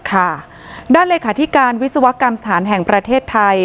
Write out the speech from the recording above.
ค่ะด้านเลขาธิการวิศวกรรมสถานแห่งประเทศไทย